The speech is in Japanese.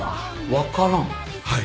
はい。